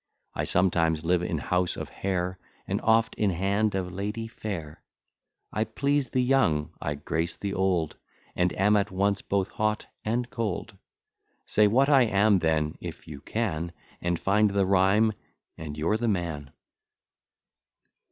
I sometimes live in house of hair, And oft in hand of lady fair. I please the young, I grace the old, And am at once both hot and cold. Say what I am then, if you can, And find the rhyme, and you're the man.